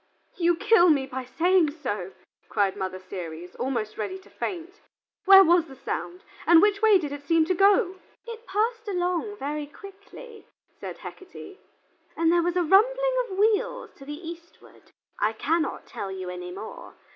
"You kill me by saying so," cried Mother Ceres, almost ready to faint; "where was the sound, and which way did it seem to go?" "It passed along very quickly," said Hecate, "and there was a rumbling of wheels to the eastward. I cannot tell you any more.